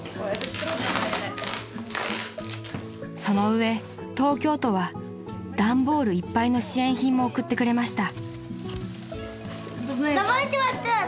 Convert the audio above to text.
［その上東京都はダンボールいっぱいの支援品も送ってくれました］